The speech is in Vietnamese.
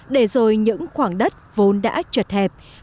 để rồi những khoảng đất vốn đã trật hẹp